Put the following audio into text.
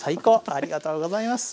ありがとうございます。